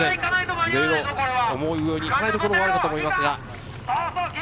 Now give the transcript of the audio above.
いろいろ思うように行かないこともあるかと思いますが。